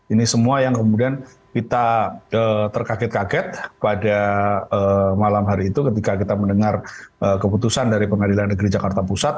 ini semua yang kemudian kita terkaget kaget pada malam hari itu ketika kita mendengar keputusan dari pengadilan negeri jakarta pusat